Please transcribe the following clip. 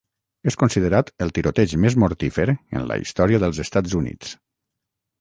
És considerat el tiroteig més mortífer en la història dels Estats Units.